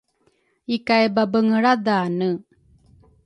Ikay babengelradhane